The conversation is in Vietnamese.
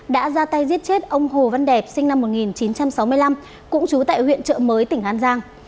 đã ra tay giết chết ông hồ văn đẹp sinh năm một nghìn chín trăm sáu mươi năm cũng trú tại huyện trợ mới tỉnh an giang